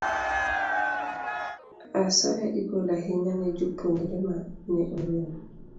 Asoya igolo ahinya ne jopuonjre ma ne orem.